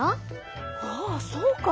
あぁそうか！